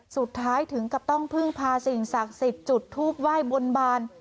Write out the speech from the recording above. สุดท้ายถึงกับต้องพึ่งพาสิ่งศักดิ์สิทธิ์จุดทูปไหว้บนบาน